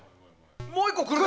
もう１個、来るか。